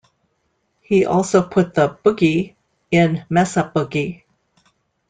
He also put the "Boogie" in Mesa Boogie.